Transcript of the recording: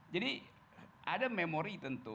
jadi ada memori tentu